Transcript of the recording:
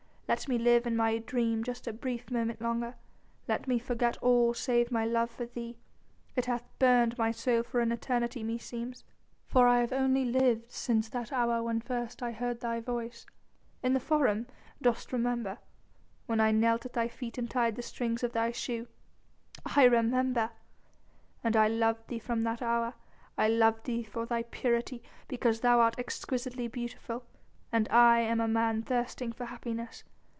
Let me live in my dream just a brief moment longer; let me forget all save my love for thee. It hath burned my soul for an eternity meseems, for I have only lived since that hour when first I heard thy voice ... in the Forum ... dost remember?... when I knelt at thy feet and tied the strings of thy shoe." "I remember!" "And I loved thee from that hour. I loved thee for thy purity and because thou art exquisitely beautiful and I am a man thirsting for happiness.